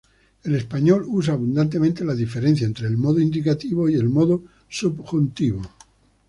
El español usa abundantemente la diferencia entre el modo indicativo y el modo subjuntivo.